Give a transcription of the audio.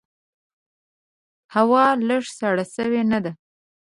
هوا لږ سړه سوي نده؟